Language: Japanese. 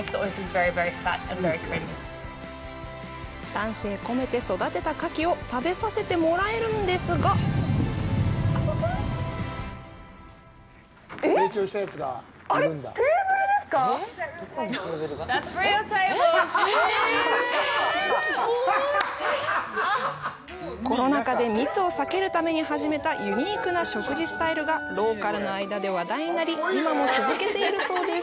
丹精込めて育てた牡蠣を食べさせてもらえるんですがコロナ禍で密を避けるために始めたユニークな食事スタイルがローカルの間で話題になり今も続けているそうです。